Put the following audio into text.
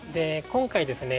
今回ですね